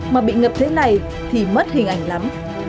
mà bị ngập thế này thì mất hình ảnh lắm